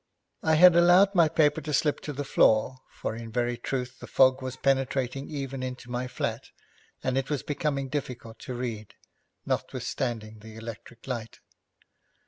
I had allowed my paper to slip to the floor, for in very truth the fog was penetrating even into my flat, and it was becoming difficult to read, notwithstanding the electric light.